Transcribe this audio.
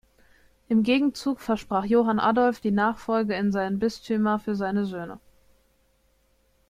Im Gegenzug versprach Johann Adolf die Nachfolge in seinen Bistümer für seine Söhne.